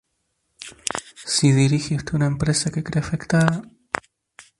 Si dirige usted una empresa que cree afectada